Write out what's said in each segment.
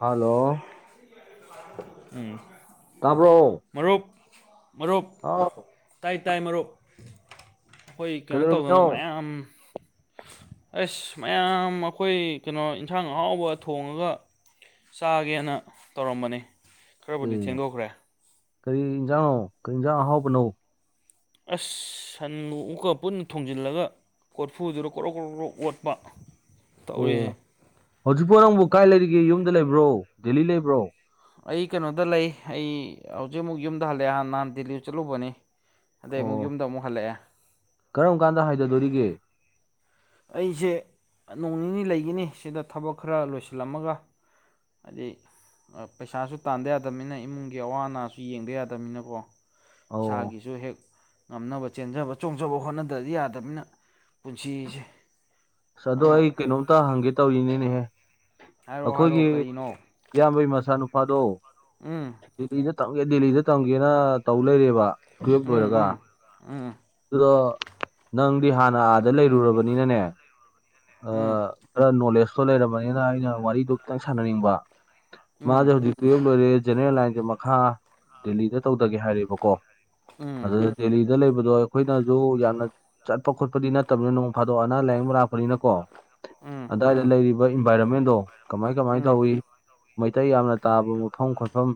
Hello ꯎꯝ ꯇꯥꯕ꯭ꯔꯣ ꯃꯔꯨꯞ ꯃꯔꯨꯞ ꯑꯥꯎ ꯇꯥꯏ ꯇꯥꯏ ꯃꯔꯨꯞ ꯑꯩꯈꯣꯏ ꯀꯩꯅꯣ ꯀꯩꯗꯧꯔꯝꯃꯤꯅꯣ ꯇꯧꯗꯅ ꯃꯌꯥꯝ ꯑꯁ ꯃꯌꯥꯝ ꯑꯩꯈꯣꯏ ꯀꯩꯅꯣ ꯏꯟꯁꯥꯡ ꯑꯍꯥꯎꯕ ꯊꯣꯡꯉꯒ ꯆꯥꯒꯦꯅ ꯇꯧꯔꯝꯕꯅꯤ ꯑꯦ ꯈꯔꯕꯨꯗꯤ ꯊꯦꯡꯗꯣꯛꯈ꯭ꯔꯦ ꯀꯔꯤ ꯌꯦꯟꯖꯥꯡꯅꯣ ꯀ ꯌꯦꯟꯖꯥꯡ ꯑꯍꯥꯎꯕꯅꯣ ꯑꯁ ꯁꯟꯕꯨ ꯑꯃꯨꯛꯀ ꯄꯨꯟꯅ ꯊꯣꯡꯖꯤꯜꯂꯒ ꯀꯣꯠꯐꯨꯗꯨꯗ ꯀ꯭ꯔꯣꯛ ꯀ꯭ꯔꯣꯛ ꯀ꯭ꯔꯣꯛ ꯑꯣꯠꯄ ꯇꯧꯏꯍꯦ ꯍꯧꯖꯤꯛꯐꯥꯎ ꯅꯪꯕꯨ ꯀꯥꯏ ꯂꯩꯔꯤꯒꯦ ꯌꯨꯝꯗ ꯂꯩꯕ꯭ꯔꯣ ꯗꯦꯂꯤ ꯂꯩꯕ꯭ꯔꯣ ꯑꯩ ꯀꯩꯅꯣꯗ ꯂꯩ ꯑꯩ ꯍꯧꯖꯤꯛ ꯑꯃꯨꯛ ꯌꯨꯝꯗ ꯍꯜꯂꯛꯦꯥꯟ ꯅꯍꯥꯟ ꯗꯦꯜꯂꯤ ꯆꯠꯂꯨꯕꯅꯦ ꯑꯗꯩ ꯑꯃꯨꯛ ꯑꯣ ꯌꯨꯝꯗ ꯑꯃꯨꯛ ꯍꯜꯂꯛꯑꯦ ꯀꯔꯝ ꯀꯥꯟꯗ ꯍꯥꯏꯗꯗꯣꯔꯤꯒꯦ ꯑꯩꯁꯦ ꯅꯣꯡ ꯅꯤꯅꯤ ꯂꯩꯒꯅꯤ ꯁꯤꯗ ꯊꯕꯛ ꯈꯔ ꯂꯣꯏꯁꯤꯜꯂꯝꯃꯒ ꯑꯗꯩ ꯄꯩꯁꯥꯁꯨ ꯇꯥꯟꯗ ꯌꯥꯗꯕꯅꯤꯅ ꯏꯃꯨꯡꯒꯤ ꯑꯋꯥ ꯑꯅꯥꯁꯨ ꯌꯦꯡꯗ ꯌꯥꯗꯕꯅꯤꯅꯀꯣ ꯑꯧ ꯏꯁꯥꯒꯤꯁꯨ ꯍꯦꯛ ꯉꯝꯅꯕ ꯆꯦꯟꯖꯕ ꯆꯣꯡꯖꯕ ꯍꯣꯠꯅꯗꯕꯗꯤ ꯌꯥꯗꯕꯅꯤꯅ ꯄꯨꯟꯁꯤꯁꯦ ꯑꯁ ꯑꯗꯣ ꯑꯗꯨꯅ ꯑꯩ ꯀꯩꯅꯣꯝꯇ ꯍꯪꯒꯦ ꯇꯧꯔꯤꯅꯤꯅꯦꯍꯦ ꯍꯥꯏꯔꯛꯑꯣ ꯍꯥꯏꯔꯛꯑꯣ ꯑꯩꯈꯣꯏꯒꯤ ꯀꯔꯤꯅꯣ ꯀꯕꯩ ꯃꯁꯥꯅꯨ ꯈꯥꯗꯣ ꯎꯝ ꯗꯦꯜꯂꯤꯗ ꯇꯝꯒꯦ ꯗꯦꯜꯂꯤꯗ ꯇꯝꯒꯦꯅ ꯇꯧ ꯂꯩꯔꯦꯕ ꯇꯨꯌꯦꯞ ꯂꯣꯏꯔꯒ ꯎꯝ ꯎꯝ ꯎꯝ ꯑꯗꯣ ꯅꯪꯗꯤ ꯍꯥꯟꯅ ꯑ ꯗ ꯂꯩꯔꯨꯔꯕꯅꯤꯅꯅꯦ ꯎꯝ ꯈꯔ ꯅꯣꯂꯦꯖꯇꯣ ꯂꯩꯔꯔꯕꯅꯤꯅ ꯑꯩꯅ ꯋꯥꯔꯤꯗꯣ ꯈꯤꯇꯪ ꯁꯥꯟꯅꯅꯤꯡꯕ ꯃꯥꯁꯦ ꯍꯧꯖꯤꯛ ꯇꯨꯌꯦꯜꯕ ꯂꯣꯏꯔꯦ ꯖꯦꯅꯦꯔꯦꯜ ꯂꯥꯏꯟꯁꯦ ꯃꯈꯥ ꯗꯦꯜꯂꯤꯗ ꯇꯧꯗꯒꯦ ꯍꯥꯏꯔꯦꯕꯀꯣ ꯎꯝ ꯑꯗ ꯗꯦꯂꯤꯗ ꯂꯩꯕꯗꯣ ꯑꯩꯈꯣꯏꯅꯁꯨ ꯌꯥꯝꯅ ꯆꯠꯄ ꯈꯣꯠꯄꯗꯤ ꯅꯠꯇꯕꯅꯤ ꯅꯣꯡ ꯐꯥꯗꯣꯛ ꯑꯅꯥ ꯂꯥꯏꯌꯦꯡꯕ ꯂꯥꯛꯄ ꯅꯤꯅꯀꯣ ꯎꯝ ꯑꯗꯨꯏꯗ ꯂꯩꯔꯤꯕ ꯏꯟꯚꯥꯏꯔꯣꯟꯃꯦꯟꯗꯣ ꯀꯃꯥꯏ ꯎꯝ ꯀꯃꯥꯏ ꯎꯝ ꯇꯧꯋꯤ ꯃꯩꯇꯩ ꯌꯥꯝꯅ ꯇꯥꯕ ꯃꯐꯝ ꯈꯣꯠꯐꯝ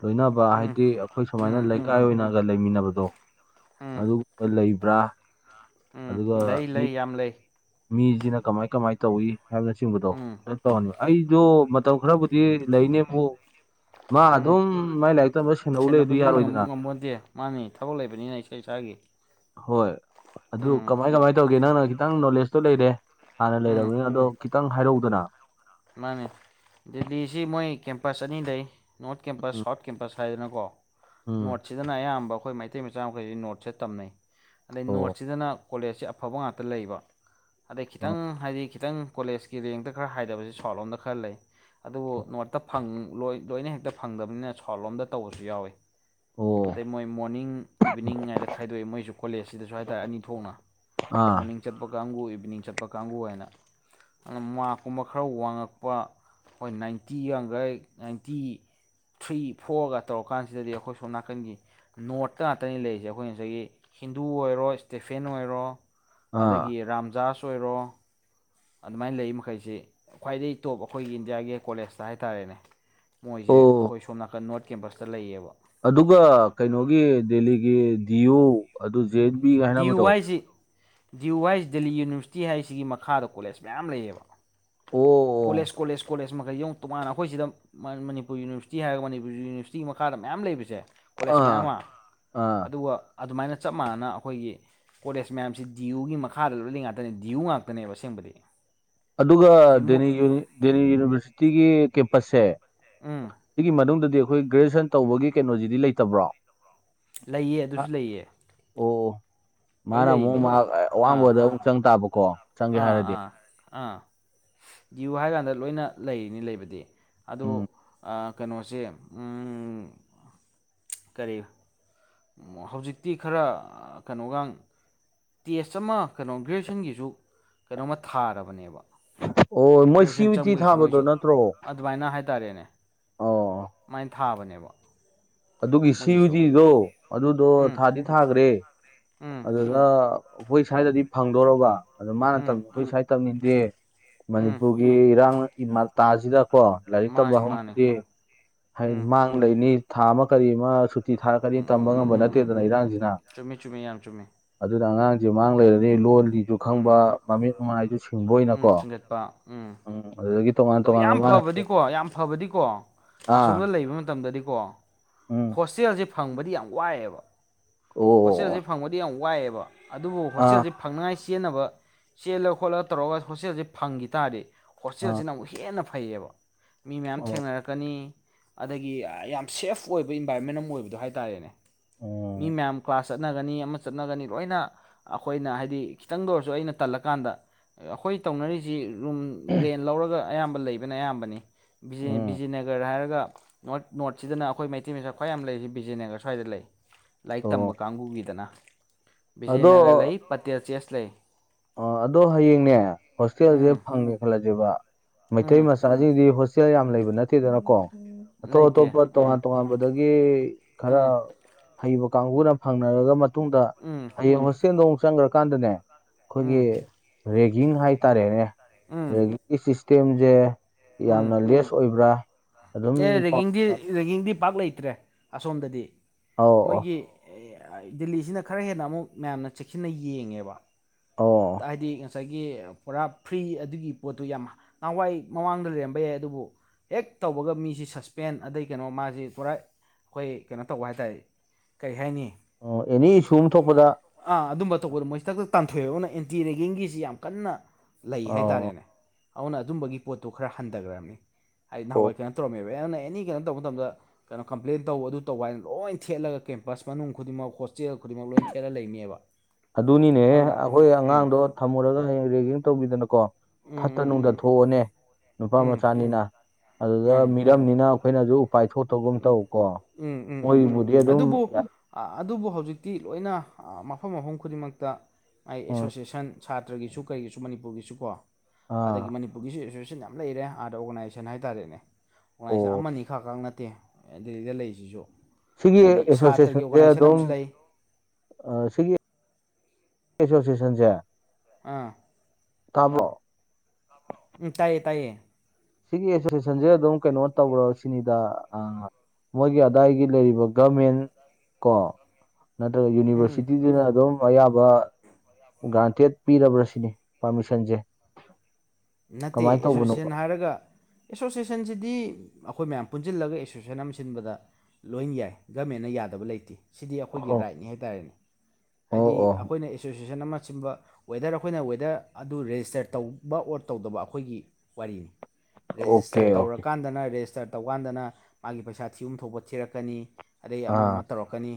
ꯂꯣꯏꯅꯕ ꯎꯝ ꯍꯥꯏꯗꯤ ꯑꯩꯈꯣꯏ ꯁꯨꯃꯥꯏꯅ ꯎꯝ ꯎꯝ ꯂꯩꯀꯥꯏ ꯑꯣꯏꯅꯒ ꯂꯩꯃꯤꯟꯅꯕꯗꯣ ꯎꯝ ꯑꯗꯨꯒꯨꯝꯕ ꯂꯩꯕ꯭ꯔꯥ ꯎꯝ ꯑꯗꯨꯒ ꯂꯩ ꯃꯤ ꯂꯩ ꯌꯥꯝ ꯂꯩ ꯃꯤꯁꯤꯅ ꯀꯃꯥꯏ ꯀꯃꯥꯏꯅ ꯇꯧꯏꯤ ꯍꯥꯏꯕꯅ ꯆꯤꯡꯕꯗꯣ ꯎꯝ ꯇꯧꯅꯤ ꯑꯩꯁꯨꯣ ꯃꯇꯝ ꯈꯔꯕꯨꯗꯤ ꯂꯩꯅꯦꯕꯨ ꯃꯥ ꯑꯗꯨ ꯎꯝ ꯃ ꯂ ꯁꯦꯟꯅꯕꯗꯨꯗꯤ ꯉꯝꯃꯣꯟꯠꯇꯦ ꯃꯥꯅꯤ ꯊꯕꯛ ꯂꯩꯕꯅꯤꯅ ꯏꯁ ꯏꯁꯥꯒꯤ ꯍꯣꯏ ꯑꯗꯨ ꯎꯝ ꯀꯃꯥꯏ ꯀꯃꯥꯏꯅ ꯇꯧꯒꯦ ꯅꯪꯅ ꯈꯤꯇꯪ ꯅꯣꯂꯦꯖꯇꯣ ꯂꯩꯔꯦ ꯍꯥꯟꯅ ꯎꯝ ꯂꯩꯔꯕꯅꯤꯅ ꯑꯗꯣ ꯈꯤꯇꯪ ꯍꯥꯏꯔꯧꯗꯅ ꯃꯥꯅꯦ ꯗꯦꯜꯂꯤꯁꯤ ꯃꯣꯏ ꯀꯦꯝꯄꯁ ꯑꯅꯤ ꯂꯩ ꯅꯣꯔꯠ ꯀꯦꯝꯄꯁ ꯎꯝ ꯁꯥꯎꯠ ꯀꯦꯝꯄꯁ ꯊꯗꯅꯀꯣ ꯎꯝ ꯅꯣꯔꯠꯁꯤꯗꯅ ꯑꯌꯥꯝꯕ ꯑꯩꯈꯣꯏ ꯃꯩꯇꯩ ꯃꯆꯥ ꯃꯈꯩꯁꯤ ꯅꯣꯔꯠꯁꯦ ꯇꯝꯅꯩ ꯑꯗꯩ ꯑꯣ ꯅꯣꯔꯠꯁꯤꯗꯅ ꯀꯣꯂꯦꯖꯁꯤ ꯑꯐꯕ ꯉꯥꯛꯇ ꯂꯩꯕ ꯑꯗꯩ ꯑꯣ ꯈꯤꯇꯪ ꯍꯥꯏꯗꯤ ꯈꯤꯇꯪ ꯀꯣꯂꯦꯖꯀꯤ ꯔꯦꯡꯗ ꯈꯔ ꯍꯥꯏꯗꯕꯁꯦ ꯁꯥꯎꯠ ꯂꯣꯝꯗ ꯈꯔ ꯂꯩ ꯑꯗꯨꯕꯨ ꯑꯣ ꯅꯣꯔꯠꯇ ꯐꯪ ꯂ ꯂꯣꯏꯅ ꯍꯦꯛꯇ ꯐꯪꯗꯕꯅꯤꯅ ꯁ꯭ꯜ ꯂꯣꯝꯗ ꯇꯧꯕꯁꯨ ꯌꯥꯎꯋꯤ ꯑꯣ ꯑꯗꯩ ꯃꯣꯏ ꯃꯣꯔꯅꯤꯡ ꯏꯚꯤꯅꯤꯡꯉꯥꯏꯗ ꯈꯥꯏꯗꯣꯛꯑꯦ ꯃꯣꯏꯁꯨ ꯀꯣꯂꯦꯖꯁꯤꯗꯁꯨ ꯍꯥꯏꯇꯥꯔꯦ ꯑꯅꯤ ꯊꯣꯛꯅ ꯑꯥ ꯃꯣꯔꯅꯤꯡ ꯆꯠꯄ ꯀꯥꯡꯕꯨ ꯏꯚꯤꯅꯤꯡ ꯆꯠꯄ ꯀꯥꯡꯕꯨ ꯍꯥꯏꯅ ꯑꯗꯨ ꯃꯥꯀꯨꯝ ꯈꯔ ꯋꯥꯡꯉꯛꯄ ꯑꯩꯣꯏ ꯅꯥꯏꯟꯇꯤ ꯌꯥꯈꯥꯏ ꯅꯥꯏꯟꯇꯤ ꯊ꯭ꯔꯤ ꯐꯣꯔꯒ ꯇꯧꯔꯀꯥꯟꯁꯤꯗꯗꯤ ꯑꯩꯈꯣꯏꯁꯨ ꯅꯥꯀꯟꯒꯤ ꯅꯣꯔꯠꯀ ꯉꯥꯛꯇꯅꯤ ꯂꯩꯔꯤꯁꯦ ꯑꯩꯈꯣꯏ ꯉꯁꯥꯏꯒꯤ ꯍꯤꯟꯗꯨ ꯑꯣꯏꯔꯣ ꯏꯁꯇꯦꯐꯦꯟ ꯑꯣꯏꯔꯣ ꯑꯥ ꯑꯗꯒꯤ ꯔꯥꯝꯖꯥꯥꯁ ꯑꯣꯏꯔꯣ ꯑꯗꯨꯃꯥꯏꯅ ꯂꯩꯔꯤ ꯃꯈꯩꯁꯤ ꯈ꯭ꯋꯥꯏꯗꯒꯤ ꯇꯣꯞ ꯑꯩꯈꯣꯏꯒꯤ ꯏꯟꯗꯤꯌꯥꯒꯤ ꯀꯣꯂꯦꯖꯇ ꯍꯥꯏꯇꯥꯔꯦꯅꯦ ꯃꯣꯏꯁꯦ ꯑꯣ ꯑꯩꯈꯣꯏ ꯁꯣꯝ ꯅꯥꯀꯟ ꯅꯣꯔꯠ ꯀꯦꯝꯄꯁꯇ ꯂꯩꯌꯦꯕ ꯑꯗꯨꯒ ꯀꯩꯅꯣꯒꯤ ꯗꯦꯜꯂꯤꯒꯤ ꯗꯤꯌꯨ ꯑꯗꯨ ꯖꯦꯠꯕꯤ ꯗꯤ ꯌꯨ ꯋꯥꯏꯁꯤ ꯗꯤꯌꯨ ꯋꯥꯏꯁꯤ ꯗꯦꯜꯂꯤ ꯌꯨꯅꯤꯚꯔꯁꯤꯇꯤ ꯍꯥꯏꯁꯤꯒꯤ ꯃꯈꯥꯗ ꯀꯣꯂꯦꯖ ꯃꯌꯥꯝ ꯂꯩꯌꯦꯕ ꯑꯣ ꯀꯣꯦꯖ ꯀꯣꯦꯖ ꯀꯣꯦꯖ ꯃꯉꯥꯏ ꯌꯦꯨ ꯇꯣꯉꯥꯟꯅ ꯑꯩꯈꯣꯏꯁꯤꯗ ꯃꯅꯤꯄꯨꯔ ꯌꯨꯅꯤꯚꯔꯁꯤꯇꯤ ꯍꯥꯏꯔꯒ ꯃꯅꯤꯄꯨꯔ ꯌꯨꯅꯤꯚꯔꯁꯤꯇꯤꯒꯤ ꯃꯈꯥꯗ ꯃꯌꯥꯝ ꯂꯩꯕꯁꯦ ꯑꯣ ꯀꯣꯂꯦꯖ ꯃꯌꯥꯝ ꯑꯥ ꯑꯃ ꯑꯥ ꯑꯗꯨꯒ ꯑꯗꯨꯃꯥꯏꯅ ꯆꯞ ꯃꯥꯟꯅꯅ ꯑꯩꯈꯣꯏꯒꯤ ꯀꯣꯂꯦꯖ ꯃꯌꯥꯝꯁꯤ ꯗꯤ ꯌꯨꯒꯤ ꯃꯈꯥꯗ ꯂꯣꯏ ꯂꯩ ꯉꯥꯛꯇꯅꯦ ꯗꯤꯌꯨ ꯉꯥꯛꯇꯅꯦꯕ ꯑꯁꯦꯡꯕꯗꯤ ꯑꯗꯨꯒ ꯁꯤ ꯗꯦ ꯃꯣꯏ ꯗꯦꯅꯤ ꯌꯨꯅꯤꯚꯔꯁꯤꯇꯤꯒꯤ ꯀꯦꯝꯄꯁꯁꯦ ꯎꯝ ꯁꯤꯒꯤ ꯃꯅꯨꯡꯗꯗꯤ ꯑꯩꯈꯣꯏ ꯒ꯭ꯔꯦꯖꯨꯑꯦꯁꯟ ꯇꯧꯕꯒꯤ ꯀꯩꯅꯣꯁꯤꯗꯤ ꯂꯩꯇꯕ꯭ꯔꯣ ꯂꯩꯌꯦ ꯑꯗꯨꯁꯨ ꯂꯩꯌꯦ ꯑꯣ ꯂꯣꯏ ꯃꯥꯅ ꯑꯃꯨꯛ ꯂꯩꯔꯤꯅꯤ ꯑꯥ ꯑꯋꯥꯡꯕꯗ ꯑꯃꯨꯛ ꯆꯪ ꯇꯥꯕꯀꯣ ꯆꯪꯒꯦ ꯑꯥ ꯍꯥꯏꯔꯗꯤ ꯑꯥ ꯑꯥ ꯭ꯌꯨ ꯍꯥꯏꯀꯥꯟꯗ ꯂꯣꯏꯅ ꯂꯩꯔꯤꯅꯤ ꯂꯩꯕꯗꯤ ꯑꯗꯣ ꯎꯝ ꯀꯩꯅꯣꯁꯦ ꯀꯔꯤ ꯍꯧꯖꯤꯛꯇꯤ ꯈꯔ ꯀꯩꯅꯣꯒ ꯇꯦꯁ ꯑꯃ ꯀꯩꯅꯣ ꯒ꯭ꯔꯦꯖꯨꯦꯁꯟꯒꯤꯁꯨ ꯀꯩꯅꯣꯃ ꯊꯥꯔꯕꯅꯦꯕ ꯑꯣ ꯃꯣꯏ ꯁꯤ ꯒ꯭ꯔꯦꯖꯨꯋꯦꯁꯟ ꯎꯇꯤ ꯆꯪꯕꯒꯤꯁꯨ ꯊꯥꯕꯗꯣ ꯃꯣꯏꯁꯨ ꯅꯠꯇ꯭ꯔꯣ ꯑꯗꯨꯃꯥꯏꯅ ꯍꯥꯏꯇꯥꯔꯦꯅꯦ ꯑꯣ ꯁꯃꯥꯏꯅ ꯊꯥꯕꯅꯦꯕ ꯑꯗꯨꯒꯤ ꯁꯤ ꯌꯨ ꯃꯣꯏꯒꯤꯁꯨ ꯇꯤꯗꯣ ꯑꯗꯨꯗꯣ ꯎꯝ ꯊꯥꯗꯤ ꯊꯥꯈ꯭ꯔꯦ ꯎꯝ ꯑꯗꯨꯅ ꯑꯩꯈꯣꯏ ꯁ꯭ꯋꯥꯏꯗꯗꯤ ꯐꯪꯗꯣꯔꯕ ꯑꯗꯣ ꯃꯥꯅ ꯎꯝ ꯇꯧꯅꯤꯡꯈꯣꯏ ꯁꯨ꯭ꯋꯥꯏꯗ ꯇꯝꯅꯤꯡꯗꯦ ꯎꯝ ꯃꯅꯤꯄꯨꯔꯒꯤ ꯏꯔꯥꯡ ꯃꯇꯥꯁꯤꯗꯀꯣ ꯂꯥꯏꯔꯤꯛ ꯇꯝꯕ ꯃꯥꯅꯤ ꯃꯥꯅꯤ ꯍꯧꯅꯗꯤ ꯍꯥꯏ ꯎꯝ [unintelligible] ꯃꯥꯡ ꯂꯩꯅꯤ ꯊꯥ ꯑꯃ ꯀꯔꯤ ꯑꯃ ꯁꯨꯇꯤ ꯊꯥꯔꯛꯀꯔꯤ ꯎꯝ ꯇꯝꯕ ꯎꯝ ꯎꯝ ꯉꯝꯕ ꯎꯝ ꯎꯝ ꯅꯠꯇꯦꯗꯅ ꯎꯝ ꯎꯝ ꯏꯔꯥꯡꯁꯤꯅ ꯆꯨꯝꯃꯤ ꯆꯨꯝꯃꯤ ꯌꯥꯝ ꯆꯨꯝꯃꯤ ꯑꯗꯨꯅ ꯑꯉꯥꯡꯁꯦ ꯃꯥꯡ ꯂꯩꯔꯅꯤ ꯂꯣꯟꯒꯤꯁꯨ ꯎꯝ ꯈꯪꯕ ꯃꯃꯤꯠ ꯃꯃꯅꯥꯥꯏꯁꯨ ꯁꯤꯡꯕ ꯎꯝ ꯆꯕꯣꯏꯅꯀꯣ ꯎꯝ ꯑꯗꯨꯗꯒꯤ ꯇꯣꯉꯥꯟ ꯑ ꯇꯣꯉꯥꯟꯕ ꯌꯥꯝ ꯃꯥꯅ ꯐꯕꯗꯤꯀꯣ ꯌꯥꯝ ꯐꯕꯗꯤꯀꯣ ꯑꯥ ꯑꯁꯣꯝꯗ ꯂꯩꯕ ꯃꯇꯝꯗꯗꯤꯀꯣ ꯎꯝ ꯍꯣꯁꯇꯦꯜꯁꯦ ꯐꯪꯕꯗꯤ ꯌꯥꯝ ꯋꯥꯏꯑꯦꯕ ꯑꯣ ꯑꯣ ꯍꯣꯁꯇꯦꯜꯁꯦ ꯐꯪꯕꯗꯤ ꯌꯥꯝ ꯋꯥꯏꯑꯦꯕ ꯑꯗꯨꯕꯨ ꯑꯥ ꯍꯣꯁꯇꯦꯜꯁꯦ ꯐꯪꯅꯉꯥꯏ ꯆꯦꯟꯅꯕ ꯆꯦꯜꯂ ꯈꯣꯠꯂ ꯇꯧꯔꯒ ꯍꯣꯁꯇꯦꯜꯁꯦ ꯐꯪꯈꯤ ꯇꯥꯔꯗꯤ ꯑꯥ ꯍꯣꯁꯇꯦꯜꯁꯤꯅ ꯑꯃꯨꯛ ꯍꯦꯟꯅ ꯐꯩꯌꯦꯕ ꯃꯤ ꯃꯌꯥꯝ ꯑꯣ ꯊꯦꯡꯅꯔꯛꯀꯅꯤ ꯑꯗꯒꯤ ꯌꯥꯝ ꯁꯦꯐ ꯑꯣꯏꯕ ꯏꯟꯚꯥꯏꯔꯣꯟꯃꯦꯟ ꯑꯃ ꯑꯣꯏꯕꯗꯣ ꯍꯥꯏꯇꯥꯔꯦꯅꯦ ꯃꯤ ꯎꯝ ꯃꯌꯥꯝ ꯀ꯭ꯂꯥꯁ ꯆꯠꯅꯒꯅꯤ ꯑꯃ ꯆꯠꯅꯒꯅꯤ ꯂꯣꯏꯅ ꯑꯩꯈꯣꯏꯅ ꯍꯥꯏꯗꯤ ꯈꯤꯇꯪꯗ ꯑꯣꯏꯔꯁꯨ ꯑꯩꯅ ꯇꯜꯂꯀꯥꯟꯗ ꯑꯩꯈꯣꯏ ꯇꯧꯅꯔꯤ ꯁꯤ ꯔꯨꯝ ꯔꯦꯟ ꯂꯧꯔꯒ ꯑꯌꯥꯝꯕ ꯂꯩꯕꯅ ꯑꯌꯥꯝꯕꯅꯤ ꯎꯝ ꯕꯤꯖꯅꯒꯔ ꯍꯥꯏꯔꯒ ꯅꯣꯔꯠ ꯅꯣꯔꯠꯁꯤꯗꯅ ꯑꯩꯈꯣꯏ ꯃꯩꯇꯩ ꯃꯆꯥ ꯈ꯭ꯋꯥꯏ ꯌꯥꯝ ꯂꯩ ꯕꯤꯖꯦꯅꯒꯔ ꯁ꯭ꯋꯥꯏꯗ ꯂꯩ ꯂꯥꯏꯔꯤꯛ ꯇꯝꯕ ꯑꯣ ꯀꯥꯡꯕꯨꯒꯤꯗꯅ ꯕꯤꯖꯦꯅꯒꯔ ꯂꯩ ꯑꯗꯣ ꯄꯇꯦꯜ ꯆꯦꯁ ꯂꯩ ꯑ ꯑꯗꯣ ꯍꯌꯦꯡꯅꯦ ꯍꯣꯁꯇꯦꯜꯁꯦ ꯎꯝ ꯐꯪꯒꯦ ꯈꯜꯂꯁꯦꯕ ꯃꯩꯇꯩ ꯎꯝ ꯃꯆꯥ ꯆꯥꯁꯤꯡꯗꯤ ꯍꯣꯁꯇꯦꯜ ꯌꯥꯝ ꯂꯩꯕ ꯅꯠꯇꯦ ꯗꯦꯅꯀꯣ ꯑꯇꯣꯞ ꯂꯩꯇꯦ ꯑꯇꯣꯞꯄ ꯎꯝ ꯇꯣꯉꯥꯟ ꯇꯣꯉꯥꯟꯕꯗꯒꯤ ꯈꯔ ꯎꯝ ꯍꯩꯕ ꯀꯥꯡꯕꯨꯅ ꯐꯪꯅꯔꯔꯕ ꯃꯇꯨꯡꯗ ꯎꯝ ꯍꯌꯦꯡ ꯍꯣꯁꯇꯦꯜꯗ ꯑꯃꯨꯛ ꯆꯪꯒ꯭ꯔꯀꯥꯟꯗꯅꯦ ꯎꯝ ꯑꯩꯈꯣꯏꯒꯤ ꯔꯦꯒꯤꯡ ꯍꯥꯏꯇꯥꯔꯦꯅꯦ ꯎꯝ ꯔꯦꯒꯤꯡꯒꯤ ꯁꯤꯁꯇꯦꯝꯁꯦ ꯎꯝ ꯌꯥꯝꯅ ꯂꯦꯁ ꯑꯣꯏꯕ꯭ꯔꯥ ꯑꯗꯨꯝ ꯑꯦ ꯄꯥꯎ ꯔꯦꯒꯤꯡꯗꯤ ꯔꯦꯒꯤꯡꯗꯤ ꯄꯥꯛ ꯂꯩꯇ꯭ꯔꯦ ꯑꯁꯣꯝꯗꯗꯤ ꯑꯧ ꯑꯧ ꯃꯣꯏꯒꯤ ꯗꯦꯜꯂꯤꯁꯤꯅ ꯈꯔ ꯍꯦꯟꯅ ꯑꯃꯨꯛ ꯃꯌꯥꯝꯅ ꯆꯦꯛꯁꯤꯟꯅ ꯌꯦꯡꯉꯦꯕ ꯑꯣ ꯍꯥꯏꯗꯤ ꯉꯁꯥꯏꯒꯤ ꯄꯨꯔꯥ ꯐ꯭ꯔꯤ ꯑꯗꯨꯒꯤ ꯄꯣꯠꯇꯨ ꯌꯥꯝ ꯅꯍꯥꯟꯋꯥꯏ ꯃꯃꯥꯡꯗ ꯂꯩꯔꯝꯕ ꯌꯥꯏ ꯑꯗꯨꯕꯨ ꯍꯦꯛ ꯇꯧꯕꯒ ꯃꯤꯁꯤ ꯁꯁꯄꯦꯟ ꯑꯗꯩ ꯀꯩꯅꯣ ꯃꯥꯖꯦ ꯄꯨꯔꯥ ꯑꯩꯈꯣꯏ ꯀꯩꯅꯣ ꯇꯧꯕ ꯍꯥꯏ ꯇꯔꯦ ꯀꯩ ꯍꯥꯏꯅꯤ ꯑꯦꯅꯤ ꯏꯁꯨ ꯑꯃ ꯊꯣꯛꯄꯗ ꯑꯥ ꯑꯗꯨꯝꯕ ꯇꯧꯕꯗꯣ ꯃꯣꯏꯁꯦ ꯊꯛꯊꯛ ꯇꯥꯟꯊꯣꯛꯑꯦꯕ ꯑꯗꯨꯅ ꯑꯦꯟꯇꯤ ꯔꯦꯒꯤꯡꯒꯤꯁꯤ ꯌꯥꯝ ꯀꯟꯅ ꯂꯩ ꯑꯧ ꯍꯥꯏꯇꯥꯔꯦꯅꯦ ꯑꯗꯨꯅ ꯑꯗꯨꯝꯕꯒꯤ ꯄꯣꯠꯇꯨ ꯈꯔ ꯍꯟꯊꯒ꯭ꯔꯕꯅꯤ ꯑꯩ ꯑꯣ ꯅꯍꯥꯟꯋꯥꯏ ꯀꯩꯅꯣ ꯇꯧꯔꯝꯃꯦꯕ ꯇ ꯌꯥꯝꯅ ꯑꯦꯅꯤ ꯀꯩꯅꯣ ꯇꯧꯕ ꯃꯇꯝꯗ ꯀꯩꯅꯣ ꯀꯝꯄ꯭ꯂꯦꯟ ꯇꯧꯕ ꯑꯗꯨ ꯇꯧꯕ ꯍꯥꯏꯅ ꯂꯣꯏ ꯊꯦꯠꯂꯒ ꯀꯦꯝꯄꯁ ꯃꯅꯨꯡ ꯈꯨꯗꯤꯡꯃꯛ ꯍꯣꯁꯇꯦꯜ ꯈꯨꯗꯤꯡꯃꯛ ꯂꯣꯏ ꯊꯠ ꯈꯦꯔ [unintelligible] ꯂꯩꯅꯦꯕ ꯑꯗꯨꯅꯤꯅꯦ ꯑꯩꯈꯣꯏ ꯎꯝ ꯑꯉꯥꯡꯗꯣ ꯊꯝꯃꯨꯔꯒ ꯍꯌꯦꯡ ꯔꯦꯒꯤꯡ ꯇꯧꯕꯤꯗꯅꯀꯣ ꯎꯝ ꯐꯠꯇ ꯎꯝ ꯅꯨꯡꯗ ꯎꯝ ꯊꯣꯛꯑꯅꯦ ꯅꯨꯄꯥ ꯎꯝ ꯃꯆꯥꯅꯤꯅ ꯑꯗꯨꯗ ꯃꯥꯅꯦ ꯃꯤꯔꯝꯅꯤꯅ ꯑꯩꯈꯣꯏꯅꯗꯨ ꯎꯄꯥꯏ ꯊꯣꯛꯇꯥꯒꯨꯝ ꯇꯧꯀꯣ ꯎꯝ ꯎꯝ ꯎꯝ ꯎꯝ ꯃꯣꯏꯕꯨꯗꯤ ꯑꯗꯨꯝ ꯑꯗꯨꯕꯨ ꯑꯗꯨꯕꯨ ꯍꯧꯖꯤꯛꯇꯤ ꯂꯣꯏꯅ ꯃꯐꯝ ꯃꯐꯝ ꯈꯨꯗꯤꯡꯃꯛꯇ ꯃꯥꯏ ꯎꯝ ꯑꯦꯁꯣꯁꯤꯌꯦꯁꯟ ꯁꯥꯇ꯭ꯔꯒꯤꯁꯨ ꯀꯔꯤꯒꯤꯁꯨ ꯃꯅꯤꯄꯨꯔꯒꯤꯁꯨ ꯀꯣ ꯑꯗꯒꯤ ꯑꯥ ꯑꯗꯨꯒꯤꯁꯨ ꯑꯦꯁꯣꯁꯤꯌꯦꯟ ꯌꯥꯝ ꯂꯩꯔꯦ ꯑꯥꯗ ꯑꯣꯔꯒꯅꯥꯏꯖꯦꯁꯟ ꯍꯥꯏꯇꯥꯔꯦꯅꯦ ꯑꯣꯔꯒꯅꯥꯏꯖꯦꯁꯟ ꯑꯣ ꯑꯃꯅꯤꯅꯤ ꯈꯛ ꯈ ꯅ ꯑꯗꯨꯩꯗ [inaudible] ꯂꯩꯔꯤꯁꯤꯁꯨ ꯁꯤꯒꯤ ꯍꯥꯏꯗꯤ ꯁꯥꯇ꯭ꯔꯒꯤ ꯑꯦꯁꯣꯁꯦꯁꯟꯖꯦ ꯑꯣꯔꯒꯅꯥꯏꯖꯦꯁꯟ ꯑꯗꯨꯝ ꯑꯃꯁꯨ ꯂꯩ ꯑ ꯁꯤꯒꯤ ꯑꯦꯁꯣꯁꯦꯁꯟꯖꯦ꯫ ꯑꯥ ꯇꯥꯕꯔꯣ ꯇꯥꯏꯌꯦ ꯇꯥꯏꯌꯦ꯫ ꯁꯤꯒꯤ ꯑꯦꯁꯣꯁꯦꯁꯟꯖꯦ ꯑꯗꯨꯝ ꯀꯩꯅꯣ ꯇꯧꯕꯔꯣ ꯁꯤꯅꯤꯗ꯫ ꯃꯣꯏꯒꯤ ꯑꯗꯥꯏꯒꯤ ꯂꯩꯔꯤꯕ ꯒꯃꯦꯟ ꯀꯣ ꯅꯠꯇ꯭ꯔꯒ ꯎꯝ ꯎꯝ ꯌꯨꯅꯤꯚꯔꯁꯤꯇꯤꯖꯤꯅ ꯑꯗꯨꯝ ꯑꯌꯥꯕ ꯒ꯭ꯔꯥꯟꯇꯦꯠ ꯄꯤꯔꯕ꯭ꯔ ꯁꯤꯅꯤ ꯄꯥꯔꯃꯤꯁꯟꯖꯦ꯫ ꯅꯠꯇꯦ ꯑꯦꯁꯣꯁꯦꯁꯟ ꯍꯥꯏꯔꯒ ꯑꯦꯁꯣꯁꯦꯁꯟꯖꯤꯗꯤ ꯑꯩꯈꯣꯏ ꯃꯌꯥꯝ ꯄꯨꯟꯖꯤꯜꯂꯒ ꯑꯦꯁꯣꯁꯦꯁꯟ ꯑꯃ ꯁꯤꯟꯕꯗ ꯂꯣꯏ ꯌꯥꯏ ꯒꯃꯦꯟꯅ ꯌꯥꯗꯕ ꯂꯩꯇꯦ꯫ ꯁꯤꯗꯤ ꯑꯩꯈꯣꯏꯒꯤ ꯑꯣ ꯔꯥꯏꯠꯅꯤ ꯍꯥꯏꯇꯥꯔꯦꯅꯦ ꯑꯣ ꯍꯥꯏꯗꯤ ꯑꯣ ꯑꯩꯈꯣꯏꯅ ꯑꯦꯁꯣꯁꯌꯦꯁꯟ ꯑꯃ ꯁꯤꯕ [inaudible] ꯋꯦꯗꯔ ꯑꯩꯈꯣꯏꯅ ꯋꯦꯗꯔ ꯑꯗꯨ ꯔꯦꯖꯤꯁꯇꯔ ꯇꯧꯕ ꯑꯣꯔ ꯇꯧꯗꯕ ꯑꯩꯈꯣꯏꯒꯤ ꯋꯥꯔꯤꯅꯤ ꯑꯣꯀꯦ ꯔꯦꯖꯤꯁꯇꯔ ꯑꯣꯀꯦ ꯇꯧꯔꯀꯥꯟꯗꯅ ꯔꯦꯖꯤꯁꯇꯔ ꯇꯧꯀꯥꯟꯗꯅ ꯃꯥꯒꯤ ꯄꯩꯁꯥ ꯊꯤꯕꯝ ꯊꯣꯛꯄ ꯊꯤꯔꯛꯀꯅꯤ ꯑꯗꯩ ꯑꯃ ꯑꯥ ꯑꯃ ꯇꯧꯔꯛꯀꯅꯤ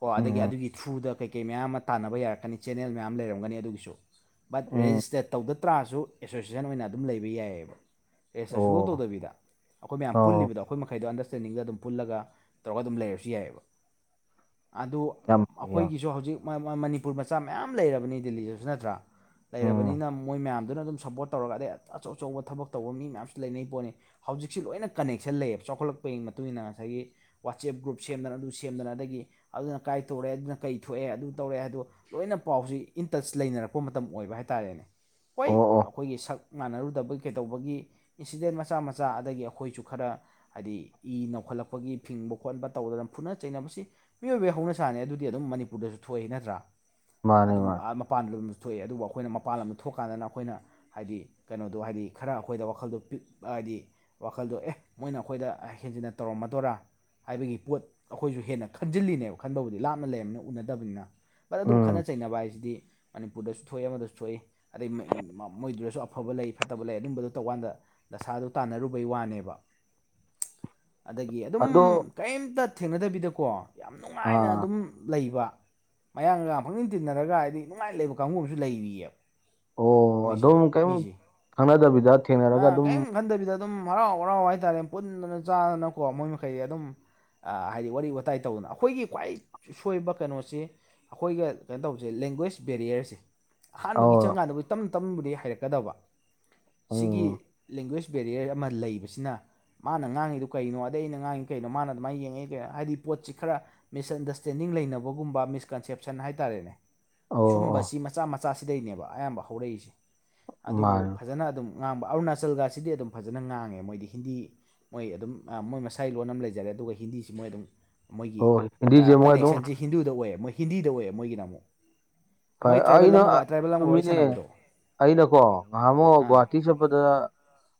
ꯍꯣ ꯑꯗꯒꯤ ꯎꯝ ꯑꯗꯨꯒꯤ ꯊ꯭ꯔꯨꯗ ꯀꯩꯀꯩ ꯃꯌꯥꯝ ꯑꯃ ꯇꯥꯟꯅꯕ ꯌꯥꯔꯛꯀꯅꯤ ꯆꯦꯅꯦꯜ ꯃꯌꯥꯝ ꯂꯩꯔꯝꯒꯅꯤ ꯑꯗꯨꯒꯤꯁꯨ ꯕꯠ ꯎꯝ ꯔꯦꯖꯤꯁꯇꯔꯠ ꯇꯧꯗ ꯇ꯭ꯔꯥꯁꯨ ꯑꯦꯁꯣꯁꯤꯌꯦꯁꯟ ꯑꯣꯏꯅ ꯑꯗꯨꯝ ꯂꯩꯕ ꯌꯥꯏꯑꯕ ꯑꯦꯁꯇꯔ ꯁꯨꯡꯂꯧ ꯑꯣ ꯇꯧꯗꯕꯤꯗ ꯑꯩꯈꯣꯏ ꯃꯌꯥꯝ ꯑꯣ ꯄꯨꯜꯂꯤꯕꯗꯣ ꯑꯩꯈꯣꯏ ꯃꯈꯩꯗꯣ ꯑꯟꯗꯔꯁꯇꯦꯟꯗꯤꯡꯗ ꯑꯗꯨꯝ ꯄꯨꯜꯂꯒ ꯇꯧꯔꯒ ꯑꯗꯨꯝ ꯂꯩꯔꯁꯨ ꯌꯥꯏꯑꯕ ꯑꯗꯨ ꯌꯥꯝ ꯐꯩ ꯌꯥꯝ ꯑꯩꯈꯣꯏꯒꯤꯁꯨ ꯍꯧꯖꯤꯛ ꯃꯅꯤꯄꯨꯔ ꯃꯆꯥ ꯃꯌꯥꯝ ꯂꯩꯔꯕꯅꯤ ꯗꯤꯜꯂꯤꯗꯁꯨ ꯅꯠꯇ꯭ꯔꯥ ꯎꯝ ꯂꯩꯔꯕꯅꯤꯅ ꯃꯣꯏ ꯃꯌꯥꯝꯗꯨꯅ ꯑꯗꯨꯝ ꯁꯄꯣꯔꯠ ꯇꯧꯔꯒ ꯑꯗꯩ ꯑꯆꯧ ꯑꯆꯧꯕ ꯊꯕꯛ ꯇꯧꯕ ꯃꯤ ꯃꯌꯥꯝꯁꯨ ꯂꯩꯅꯩ ꯄꯣꯠꯅꯤ ꯍꯧꯖꯤꯛꯁꯤ ꯂꯣꯏꯅ ꯀꯅꯦꯛꯁꯟ ꯂꯩꯌꯦꯕ ꯆꯥꯎꯈꯠꯂꯛꯄꯩ ꯃꯇꯨꯡ ꯏꯟꯅ ꯉꯁꯥꯏꯒꯤ ꯋꯥꯆꯦꯞ ꯒ꯭ꯔꯨꯞ ꯁꯦꯝꯗꯅ ꯑꯗꯨ ꯁꯦꯝꯗꯅ ꯑꯗꯒꯤ ꯑꯗꯨꯅ ꯀꯥꯏ ꯇꯧꯔꯦ ꯑꯗꯨꯅ ꯀꯩ ꯊꯣꯛꯑꯦ ꯑꯗꯨ ꯇꯧꯔꯑꯦ ꯍꯥꯏꯗꯣ ꯂꯣꯏꯅ ꯄꯥꯎꯁꯤ ꯏꯟ ꯇꯁ ꯂꯩꯅꯔꯛꯄ ꯃꯇꯝ ꯑꯣꯏꯕ ꯍꯥꯏ ꯇꯥꯔꯦꯅꯦ ꯍꯣꯏ꯫ ꯑꯣ ꯑꯣ ꯑꯩꯈꯣꯏꯒꯤ ꯁꯛ ꯉꯥꯟꯅꯔꯨꯗꯕꯩ ꯀꯩꯗꯧꯕꯒꯤ ꯏꯟꯁꯤꯗꯦꯟ ꯃꯆꯥ ꯃꯆꯥ ꯑꯗꯒꯤ ꯑꯩꯈꯣꯏꯖꯨ ꯈꯔ ꯍꯥꯏꯗꯤ ꯏ ꯅꯧꯈꯠꯂꯛꯄꯒꯤ ꯐꯤꯡꯕ ꯈꯣꯠꯄ ꯇꯧꯗꯅ ꯐꯨꯅ ꯆꯩꯅꯕꯁꯦ ꯃꯤꯑꯣꯏꯕꯒꯤ ꯍꯧꯅ ꯁꯥꯅꯤ ꯑꯗꯨꯗꯤ ꯑꯗꯨꯝ ꯃꯅꯤꯄꯨꯔꯗꯁꯨ ꯊꯣꯛꯏ ꯅꯠꯇ꯭ꯔꯥ꯫ ꯃꯥꯅꯦ ꯑꯗꯨꯝ ꯃꯥꯅꯦ ꯑ ꯃꯄꯥꯟ ꯂꯣꯝꯗꯖꯨ ꯊꯣꯛꯑꯦ ꯑꯗꯨꯕꯨ ꯑꯩꯈꯣꯏꯅ ꯃꯄꯥꯟ ꯂꯝꯗ ꯊꯣꯛꯀꯥꯟꯗꯅ ꯑꯩꯈꯣꯏꯅ ꯍꯥꯏꯗꯤ ꯀꯩꯅꯣꯗꯣ ꯍꯥꯏꯗꯤ ꯈꯔ ꯑꯩꯈꯣꯏꯗ ꯋꯥꯈꯜꯗꯣ ꯄꯤꯛ ꯍꯥꯏꯗꯤ ꯋꯥꯈꯜꯗꯣ ꯑꯦ ꯃꯣꯏꯅ ꯑꯩꯈꯣꯏꯗ ꯍꯦꯟꯖꯤꯟꯅ ꯇꯧꯔꯝꯃꯗꯣꯏꯔ ꯍꯥꯏꯕꯒꯤ ꯄꯣꯠ ꯑꯩꯈꯣꯏꯖꯨ ꯍꯦꯟꯅ ꯈꯟꯖꯤꯜꯂꯤꯅꯦꯕ ꯈꯟꯕꯕꯨꯗꯤ ꯂꯥꯞꯅ ꯂꯩꯔꯃꯤꯅ ꯎꯅꯗꯕꯅꯤꯅ꯫ ꯕꯠ ꯑꯗꯨꯕꯨ ꯈꯠꯅ ꯎꯝ ꯆꯩꯅꯕ ꯍꯥꯏꯖꯤꯗꯤ ꯃꯅꯤꯄꯨꯔꯗꯁꯨ ꯊꯣꯛꯏ ꯑꯃꯗꯁꯨ ꯊꯣꯛꯏ ꯑꯗꯩ ꯃꯩ ꯃꯞ ꯃꯣꯏꯗꯨꯗꯁꯨ ꯑꯐꯕ ꯂꯩ ꯐꯠꯇꯕ ꯂꯩ ꯑꯗꯨꯝꯕꯗꯣ ꯇꯧꯀꯥꯟꯗ ꯗꯁꯥꯗꯣ ꯇꯥꯟꯅꯔꯨꯕꯩ ꯋꯥꯅꯦꯕ꯫ ꯑꯗꯒꯤ ꯑꯗꯨꯝ ꯑꯗꯣ ꯀꯩꯝꯇ ꯊꯦꯡꯅꯗꯕꯤꯗꯀꯣ꯫ ꯌꯥꯝ ꯅꯨꯡꯉꯥꯏꯅ ꯑꯥ ꯑꯗꯨꯝ ꯂꯩꯕ꯫ ꯃꯌꯥꯡ ꯅꯨꯌꯥꯡ ꯐꯪꯇꯤꯟ ꯇꯤꯟꯅꯔꯒ ꯍꯥꯏꯗꯤ ꯅꯨꯡꯉꯥꯏ ꯂꯩꯕ ꯀꯥꯡꯕꯨ ꯑꯃꯖꯨ ꯂꯩꯔꯤꯑꯕ꯫ ꯑꯣ ꯃꯣꯏꯖꯦ ꯑꯗꯨꯝ ꯀꯔꯤꯝ ꯃꯤꯖꯦ ꯈꯪꯅꯗꯕꯤꯗ [unintelligible] ꯑ ꯊꯦꯡꯅꯔꯒ ꯑꯗꯨꯝ ꯀꯏꯝ ꯏꯪꯍꯟꯗꯕꯤꯗ ꯑꯗꯨꯝ ꯍꯔꯥꯎ ꯍꯔꯥꯎ ꯍꯥꯏꯇꯥꯔꯦ ꯄꯨꯟꯗꯅ ꯆꯥꯗꯅꯀꯣ ꯃꯣꯏ ꯃꯈꯩꯗꯤ ꯑꯗꯨꯝ ꯍꯥꯏꯗꯤ ꯋꯥꯔꯤ ꯋꯥꯇꯥꯏ ꯇꯧꯗꯅ ꯑꯩꯈꯣꯏꯒꯤ ꯈ꯭ꯋꯥꯏ ꯁꯣꯏꯕ ꯀꯩꯅꯣꯁꯤ ꯑꯩꯈꯣꯏꯒ ꯀꯩꯅꯣ ꯇꯧꯕꯖꯦ ꯂꯦꯡꯒ꯭ꯋꯦꯁ ꯕꯦꯔꯤꯌꯥꯔꯖꯦ꯫ ꯑꯍꯥꯟꯕꯒꯤ ꯑꯣ ꯆꯪꯀꯥꯟꯗꯕꯨꯗꯤ ꯇꯝ ꯇꯝꯕꯨꯗꯤ ꯍꯩꯔꯛꯀꯗꯕ ꯁꯤꯒꯤ ꯎꯝ ꯂꯦꯡꯒ꯭ꯋꯦꯖ ꯕꯦꯔꯤꯌꯔ ꯑꯃ ꯂꯩꯕꯁꯤꯅ ꯃꯥꯅ ꯉꯥꯡꯉꯤꯗꯣ ꯀꯩꯅꯣ ꯑꯗꯩ ꯑꯩꯅ ꯉꯥꯡꯉꯤ ꯀꯩꯅꯣ ꯃꯥꯅ ꯑꯗꯨꯃꯥꯏꯅ ꯌꯦꯡꯉꯛꯏ ꯀꯩꯅꯣ ꯍꯥꯏꯗꯤ ꯄꯣꯠꯁꯤ ꯈꯔ ꯃꯤꯁꯑꯟꯗꯔꯁꯇꯦꯟꯗꯤꯡ ꯂꯩꯅꯕꯒꯨꯝꯕ ꯃꯤꯁꯀꯟꯁꯦꯞꯁꯟ ꯍꯥꯏꯇꯥꯔꯦꯅꯦ꯫ ꯑꯣ ꯑꯣ ꯁꯨꯝꯕꯁꯤ ꯃꯆꯥ ꯃꯆꯥꯁꯤꯗꯩꯅꯦꯕ ꯑꯌꯥꯝꯕ ꯍꯧꯔꯛꯏꯁꯦ ꯑꯗꯨꯕꯨ ꯃꯥꯅꯦ ꯐꯖꯅ ꯑꯗꯨꯝ ꯉꯥꯡꯕ ꯑꯔꯨꯅꯥꯆꯜꯒꯁꯤꯗꯤ ꯑꯗꯨꯝ ꯐꯖꯅ ꯉꯥꯡꯉꯦ ꯃꯣꯏꯗꯤ ꯍꯤꯟꯗꯤ ꯃꯣꯏ ꯑꯗꯨꯝ ꯃꯣꯏ ꯃꯁꯥꯒꯤ ꯂꯣꯟ ꯑꯃ ꯂꯩꯖꯔꯦ ꯑꯗꯨꯒ ꯍꯤꯟꯗꯤꯁꯤ ꯃꯣꯏ ꯑꯗꯨꯝ ꯃꯣꯏꯒꯤ ꯑꯣ ꯍꯤꯟꯗꯤꯁꯦ ꯃꯣꯏ ꯑꯗꯨꯝ ꯀꯅꯦꯛꯁꯟꯖꯤ ꯍꯤꯟꯗꯨꯗ ꯑꯣꯏ ꯃꯣꯏ ꯍꯤꯟꯗꯤꯗ ꯑꯣꯏꯌꯦ ꯃꯣꯏꯒꯤꯅ ꯑꯃꯨꯛ꯫ ꯐꯩ ꯃꯣꯏ ꯇ꯭ꯔꯥꯏꯕꯦꯜ ꯑꯩꯅ ꯑꯃꯒ ꯇ꯭ꯔꯥꯏꯕꯦꯜ ꯑꯃꯒ ꯋꯥꯔꯤ ꯆꯨꯝꯃꯤꯅꯦ ꯁꯥꯟꯅꯕꯗꯣ ꯑꯩꯅꯀꯣ ꯉꯍꯥꯃꯨꯛ ꯑꯥ ꯒꯨꯍꯥꯇꯤ ꯆꯠꯄꯗ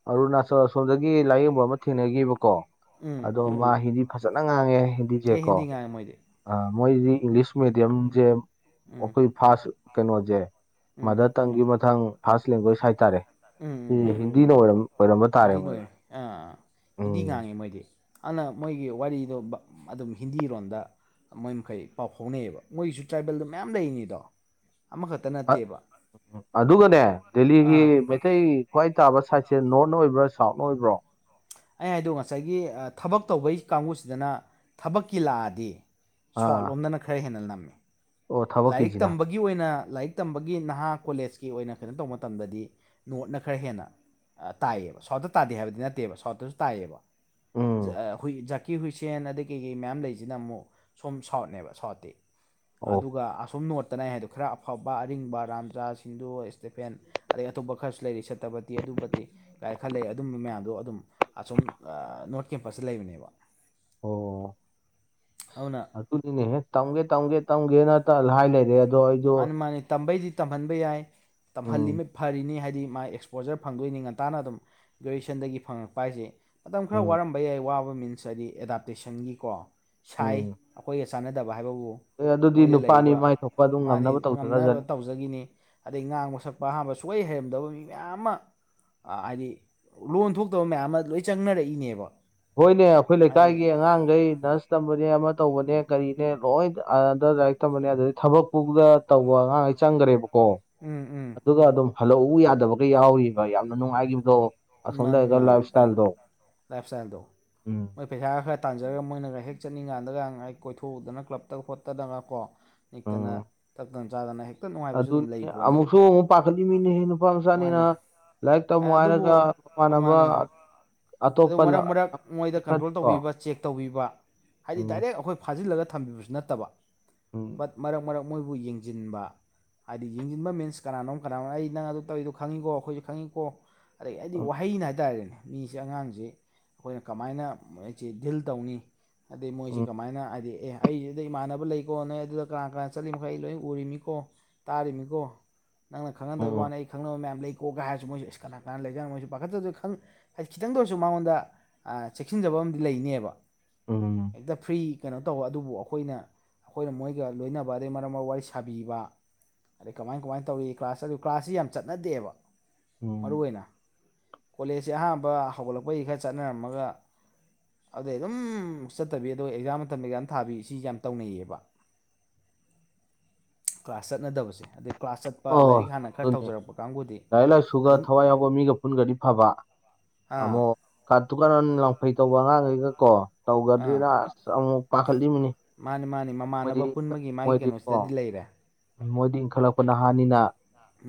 ꯑꯔꯨꯅꯥꯆꯜ ꯑꯁꯣꯝꯗꯒꯤ ꯂꯥꯏꯌꯦꯡꯕ ꯑꯃ ꯊꯦꯡꯅꯒꯤꯕꯀꯣ ꯎꯝ ꯑꯗꯣ ꯃꯥ ꯍꯤꯟꯗꯤ ꯐꯖꯅ ꯉꯥꯡꯉꯦ ꯑꯦ ꯍꯤꯟꯗꯤꯖꯦꯀꯣ ꯍꯤꯟꯗꯤ ꯉꯥꯡꯉꯦ ꯃꯣꯏꯗꯤ ꯑ ꯃꯣꯏꯗꯤ ꯏꯪꯂꯤꯁ ꯃꯦꯗꯤꯌꯝꯖꯦ ꯎꯝ ꯑꯩꯈꯣꯏ ꯐꯥꯁ ꯀꯩꯅꯣꯖꯦ ꯎꯝ ꯃꯥꯗꯔ ꯇꯪꯒꯤ ꯃꯋꯡ ꯐꯥꯥꯁ ꯂꯦꯡꯒ꯭ꯋꯦꯖ ꯍꯥꯏꯇꯥꯔꯦ [unintelligible] ꯎꯝ꯫ ꯎꯝ ꯍꯤꯟꯗꯤꯅ ꯑꯣꯏꯔꯝ ꯑꯣꯏꯔꯝꯕ ꯇꯥꯔꯦ ꯍꯤꯟꯗꯤ ꯃꯣꯏ ꯑꯣꯏꯔꯦ ꯑꯥ ꯍꯤꯟꯗꯤ ꯎꯝ ꯉꯥꯡꯉꯦ ꯃꯣꯏꯗꯤ ꯑꯗꯨꯅ ꯃꯣꯏꯒꯤ ꯋꯥꯔꯤꯗꯣ ꯑꯗꯨꯝ ꯍꯤꯟꯗꯤꯔꯣꯝꯗ ꯃꯣꯏ ꯃꯈꯩ ꯄꯥꯎ ꯐꯥꯎꯅꯩꯑꯕ ꯃꯣꯏꯒꯤꯁꯨ ꯇ꯭ꯔꯥꯏꯕꯦꯜꯗ ꯃꯌꯥꯝ ꯂꯩꯔꯤꯅꯤꯗꯣ ꯑꯃꯈ ꯎ ꯑꯗꯨꯒꯅꯦ ꯗꯦꯜꯂꯤꯒꯤ ꯑꯥ ꯃꯩ ꯃꯇꯩ ꯈ꯭ꯋꯥꯏ ꯇꯥꯕ ꯁꯥꯏꯠꯁꯦ ꯅꯣꯔꯠꯅ ꯑꯣꯏꯕ꯭ꯔꯣ ꯁꯥꯎꯠꯅ ꯑꯣꯏꯕ꯭ꯔꯣ ꯑꯩ ꯍꯥꯏꯗꯣ ꯉꯁꯥꯏꯒꯤ ꯊꯕꯛ ꯇꯧꯕꯒꯤ ꯀꯥꯡꯕꯨꯁꯤꯗꯅ ꯊꯕꯛꯀꯤ ꯂꯥꯛꯑꯗꯤ ꯁ꯭ꯋꯥꯠ ꯑꯥ ꯂꯣꯝꯗꯅ ꯈꯔ ꯍꯦꯟꯅ ꯅꯝꯃꯤ ꯑꯣ ꯂꯥꯏꯔꯤꯛ ꯊꯕꯛꯀꯤꯁꯤꯅ ꯇꯝꯕꯒꯤ ꯒꯤ ꯑꯣꯏꯅ ꯂꯥꯏꯔꯤꯛ ꯇꯝꯕꯒꯤ ꯅꯍꯥ ꯀꯣꯂꯦꯖꯀꯤ ꯑꯣꯏꯅ ꯀꯩꯅꯣ ꯇꯧꯕ ꯃꯇꯝꯗꯗꯤ ꯅꯣꯠꯅ ꯈꯔ ꯍꯦꯟꯅ ꯇꯥꯏꯌꯦꯕ ꯁꯥꯎꯠꯇ ꯇꯥꯗꯦ ꯍꯥꯏꯕꯗꯤ ꯅꯠꯇꯦꯕ ꯁꯥꯎꯠꯇꯁꯨ ꯇꯥꯏꯌꯦꯕ ꯎꯝ ꯑ ꯈꯣꯏꯒꯤ ꯖꯥꯀꯤ ꯍꯨꯏꯁꯦꯟ ꯑꯗꯩ ꯀꯩꯀꯩ ꯃꯌꯥꯝ ꯂꯩꯖꯤꯅ ꯑꯃꯨꯛ ꯁꯣꯝ ꯁꯥꯎꯠꯅꯦꯕ ꯁꯥꯎꯠꯇꯤ ꯑꯣ ꯑꯗꯨꯒ ꯑꯁꯣꯝ ꯅꯣꯠꯇꯅ ꯑꯩ ꯍꯥꯏꯗꯣ ꯈꯔ ꯑꯐꯕ ꯑꯔꯤꯡꯕ ꯔꯥꯝꯖꯥꯁ ꯍꯤꯟꯗꯨꯨ ꯏꯁꯇꯦꯐꯦꯟ ꯑꯗꯩ ꯑꯇꯣꯞꯄ ꯈꯔꯁꯨ ꯂꯩꯔꯤ ꯁꯠꯇꯄꯇꯤ ꯑꯗꯨꯄꯇꯤ ꯒꯥꯏ ꯈꯔ ꯂꯩ ꯑꯗꯨꯝꯕ ꯃꯌꯥꯝꯗꯣ ꯑꯗꯨꯝ ꯑꯁꯣꯝ ꯅꯣꯔꯠ ꯀꯦꯝꯄꯁꯇ ꯂꯩꯕꯅꯦꯕ ꯑꯧꯅꯥ ꯑꯗꯨꯅꯦꯍꯦ ꯇꯝꯒꯦ ꯇꯝꯒꯦ ꯇꯝꯒꯦꯅ ꯇ ꯍꯥꯏ ꯂꯩꯔꯦ ꯑꯗꯣ ꯑꯩ ꯃꯥꯅꯤ ꯃꯥꯅꯤ ꯇꯝꯕꯩꯗꯤ ꯇꯝꯍꯟꯕ ꯌꯥꯏ ꯎꯝ ꯇꯝꯍꯜꯂꯤꯃꯩ ꯐꯔꯤꯅꯤ ꯍꯥꯏꯗꯤ ꯃꯥꯥꯏ ꯑꯦꯛꯁ ꯑꯦꯛꯁꯄꯣꯖꯔ ꯐꯪꯗꯣꯏꯅꯤ ꯉꯟꯇꯥꯅ ꯑꯗꯨꯝ ꯒ꯭ꯔꯦꯖꯨꯌꯦꯁꯟꯗꯒꯤ ꯐꯪꯉꯛꯄ ꯍꯥꯏꯁꯦ ꯃꯇꯝ ꯈꯔ ꯎꯝ ꯋꯥꯔꯝꯕ ꯃꯌꯥꯏ ꯋꯥꯕ ꯃꯤꯟꯁ ꯍꯥꯏꯗꯤ ꯑꯦꯗꯥꯞꯇꯦꯁꯟꯒꯤꯀꯣ ꯁꯥꯏ ꯎꯝ ꯑꯩꯈꯣꯏꯒ ꯆꯥꯟꯅꯗꯕ ꯍꯥꯏꯕꯕꯨ ꯑꯦ ꯑꯗꯨꯗꯤ ꯃꯣꯏꯗ ꯅꯨꯄꯥꯅꯤ ꯂꯩꯔꯤꯕ ꯃꯥꯏ ꯊꯣꯛꯄ ꯑꯗꯨꯝ ꯉꯝꯅꯕ ꯇꯧꯖꯈ꯭ꯔꯖꯅꯤ ꯐꯖꯒꯤꯅꯤ ꯑꯗꯩ ꯉꯥꯡꯕ ꯁꯛꯄ ꯑꯍꯥꯟꯕ ꯁꯨꯛꯍꯩ ꯍꯩꯔꯝꯗꯕ ꯃꯤ ꯃꯌꯥꯝ ꯑꯃ ꯑ ꯍꯥꯏꯗꯤ ꯂꯣꯟ ꯊꯣꯛꯇꯕ ꯃꯌꯥꯝ ꯑꯃ ꯂꯣꯏ ꯆꯪꯅꯔꯛꯏꯅꯦꯕ ꯍꯣꯏꯅꯦ ꯑꯩꯈꯣꯏ ꯂꯩꯀꯥꯏꯒꯤ ꯍꯥꯏꯗꯤ ꯑꯉꯥꯡꯈꯩ ꯅꯔꯁ ꯇꯝꯕꯅꯦ ꯑꯃ ꯇꯧꯕꯅꯦ ꯀꯔꯤꯅꯦ ꯂꯣꯏ ꯑꯗ ꯂꯥꯏꯔꯤꯛ ꯇꯝꯕꯅꯦ ꯑꯗꯨꯗꯒꯤ ꯊꯕꯛꯄꯥꯎꯗ ꯇꯧꯕ ꯑꯉꯥꯡꯍꯩ ꯆꯪꯈ꯭ꯔꯦꯕꯀꯣ ꯎꯝ ꯎꯝ ꯑꯗꯨꯒ ꯑꯗꯨꯝ ꯍꯜꯂꯛꯎ ꯌꯥꯗꯕꯒ ꯌꯥꯎꯔꯤꯕ ꯌꯥꯝꯅ ꯅꯨꯡꯉꯥꯏꯈꯤꯕꯗꯣ ꯑꯁꯣꯝ ꯂꯩꯔꯒ ꯂꯥꯏꯐ ꯏꯁꯇꯥꯏꯜꯗꯣ ꯂꯥꯏꯐ ꯏꯁꯇꯥꯏꯟꯗꯣ ꯎꯝ ꯃꯣꯏ ꯄꯩꯁꯥ ꯈꯔ ꯇꯥꯟꯖꯔꯒ ꯃꯣꯏꯅꯒ ꯍꯦꯛ ꯆꯠꯅꯤꯡꯀꯥꯟꯗꯒ ꯑꯩ ꯀꯣꯏꯊꯣꯛꯎꯗꯅ ꯀ꯭ꯂꯞꯇ ꯈꯣꯠꯇꯗꯅ ꯀꯣ ꯅꯤꯛꯇꯅ ꯇꯛꯇꯅ ꯆꯥꯗꯅ ꯍꯦꯛ ꯑꯗꯨꯅꯤꯅꯦ ꯑꯃꯨꯛꯁꯨ ꯑꯃꯨꯛ ꯄꯥꯈꯠꯂꯤ ꯃꯤꯅꯤ ꯅꯨꯄꯥ ꯃꯆꯥꯅꯤꯅ ꯃꯥꯅꯤ ꯂꯥꯏꯔꯤꯛ ꯑꯦ ꯇꯝꯃꯨ ꯑꯗꯨꯕꯨ ꯍꯥꯏꯔꯒ ꯃꯃꯥꯟꯅꯕ ꯃꯥꯅꯤ ꯑꯗꯨ ꯑꯇꯣꯞꯄ ꯃꯔꯛ ꯃꯔꯛ ꯃꯣꯏꯗ ꯀꯟꯇ꯭ꯔꯣꯜ ꯈꯔꯀꯣ ꯇꯧꯕꯤꯕ ꯆꯦꯛ ꯇꯧꯕꯤꯕ ꯍꯥꯏꯗꯤ ꯎꯝ ꯗꯥꯏꯔꯦꯛ ꯑꯩꯈꯣꯏ ꯐꯥꯖꯤꯜꯂꯒ ꯊꯝꯕꯤꯕꯁꯨ ꯅꯠꯇꯕ ꯎꯝ ꯕꯠ ꯃꯔꯛ ꯃꯔꯛ ꯃꯣꯏꯕꯨ ꯌꯦꯡꯁꯤꯟꯕ ꯍꯥꯏꯗꯤ ꯌꯦꯡꯁꯤꯟꯕ ꯃꯤꯟꯁ ꯀꯅꯥꯅꯣ ꯀꯅꯥꯅꯣ ꯑꯩ ꯅꯪ ꯑꯗꯨ ꯇꯧꯔꯤꯗꯣꯪꯉꯤꯣ ꯑꯩꯈꯣꯏꯁꯨ ꯈꯪꯉꯤꯀꯣ ꯑꯗꯩ ꯑꯩꯗꯤ ꯋꯥꯍꯩꯅ ꯍꯥꯏꯇꯥꯔꯦꯅꯦ ꯃꯤꯁꯤ ꯑꯉꯥꯡꯁꯤ ꯑꯩꯈꯣꯏꯅ ꯀꯃꯥꯏꯅ ꯃꯣꯏꯁꯤ ꯗꯤꯜ ꯇꯧꯅꯤ ꯑꯗꯩ ꯃꯣꯏꯁꯤ ꯎꯝ ꯀꯃꯥꯏꯅ ꯍꯥꯏꯗꯤ ꯑꯦ ꯑꯩꯗ ꯏꯃꯥꯟꯅꯕ ꯂꯩꯀꯣ ꯅꯣꯏ ꯑꯗꯨꯗ ꯀꯅꯥ ꯀꯅꯥ ꯆꯠꯂꯤ ꯃꯈꯩ ꯑꯩ ꯂꯣꯏ ꯎꯔꯤꯃꯤꯀꯣ ꯇꯥꯔꯤꯅꯤꯀꯣ ꯅꯪꯅ ꯎꯝ ꯈꯪꯅꯗꯕ ꯎꯝ ꯋꯥꯅꯤ ꯑꯩ ꯈꯪꯅꯕ ꯃꯌꯥꯝ ꯂꯩꯀꯣꯒ ꯍꯥꯏꯔꯁꯨ ꯃꯣꯏꯁꯦ ꯀꯅꯥ ꯀꯅꯥ ꯂꯩꯖꯥꯠꯅꯣ ꯃꯣꯏꯁꯨ ꯄꯥꯈꯠꯇꯕꯁꯨ ꯈ ꯈꯤꯇꯪꯗ ꯑꯣꯏꯔꯁꯨ ꯃꯉꯣꯟꯗ ꯑ ꯆꯦꯛꯁꯤꯟꯖꯕ ꯑꯃꯗꯤ ꯂꯩꯅꯦꯕ ꯑꯝ ꯍꯦꯛꯇ ꯐ꯭ꯔꯤ ꯀꯩꯅꯣ ꯇꯧꯕ ꯑꯗꯨꯕꯨ ꯑꯩꯈꯣꯏꯅ ꯑꯩꯈꯣꯏꯅ ꯃꯣꯏꯒ ꯂꯣꯏꯅꯕ ꯑꯗꯩ ꯃꯔꯛ ꯃꯔꯛ ꯋꯥꯔꯤ ꯁꯥꯕꯤꯕ ꯑꯗꯩ ꯀꯃꯥꯏ ꯀꯃꯥꯏꯅ ꯇꯧꯔꯤ ꯀ꯭ꯂꯥꯁ ꯑꯗꯨ ꯀ꯭ꯂꯥꯁꯁꯤ ꯌꯥꯝ ꯆꯠꯅꯗꯦꯕ ꯃꯔꯨ ꯎꯝ ꯑꯣꯏꯅ ꯀꯣꯂꯦꯖꯁꯦ ꯑꯍꯥꯟꯕ ꯍꯧꯒꯠꯂꯛꯄꯩ ꯈꯔ ꯆꯠꯅꯔꯝꯃꯒ ꯑꯗꯩ ꯑꯗꯨꯝ ꯆꯠꯇꯕꯤ ꯑꯗꯣ ꯑꯦꯛꯖꯥꯝ ꯃꯇꯝꯗ ꯑꯦꯛꯖꯥꯝ ꯊꯥꯕꯤ ꯁꯤ ꯌꯥꯝ ꯇꯧꯅꯩꯌꯦꯕ ꯀ꯭ꯂꯥꯁ ꯆꯠꯅꯗꯕꯁꯦ ꯑꯗꯩ ꯀ꯭ꯂꯥꯁ ꯆꯠꯄ ꯑꯣ ꯂꯥꯏꯔꯤꯛ ꯍꯥꯟꯅ ꯈꯔ ꯇꯧꯖꯔꯛꯄ ꯀꯥꯡꯕꯨꯗꯤ ꯁꯨ ꯑꯗꯨꯝ ꯊꯋꯥꯏ ꯌꯥꯎꯕ ꯃꯤꯒ ꯄꯨꯟꯒꯗꯤ ꯐꯕ ꯑꯥ ꯑꯃꯨꯛ ꯀꯥꯇꯨ ꯀꯥꯔꯟ ꯂꯪꯐꯩ ꯇꯧꯕ ꯑꯉꯥꯡꯈꯩꯒ ꯀꯣ ꯑꯥ ꯇꯧꯒꯗ꯭ꯔꯔꯤꯅ ꯑꯁ ꯑꯃꯨꯛ ꯄꯥꯈꯠꯂꯤꯃꯤꯅꯤ ꯃꯥꯅꯤ ꯃꯥꯅꯤ ꯃꯣꯏꯗꯤ ꯃꯃꯥꯟꯅꯕ ꯄꯨꯟꯕꯒꯤ ꯃꯥꯒꯤ ꯃꯣꯏꯗꯤꯀꯣ ꯀꯩꯅꯣꯁꯤꯗꯗꯤ ꯂꯩꯔꯦ ꯃꯣꯏꯗꯤ ꯏꯟꯈꯂꯛ ꯅꯍꯥꯅꯤꯅ